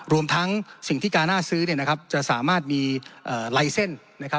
รวมทั้งสิ่งที่กาน่าซื้อจะสามารถมีลายเส้น